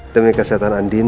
demi kesehatan andien